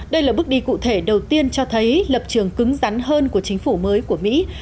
đây là bước đi cụ thể đầu tiên cho thấy lập trường cứng rắn hơn của chính phủ